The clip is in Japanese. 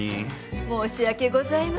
申し訳ございません。